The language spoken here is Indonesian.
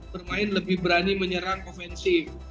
bermain lebih berani menyerang ofensif